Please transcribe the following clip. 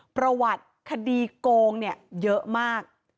ประวัติคดีโกงเนี่ยเยอะมาก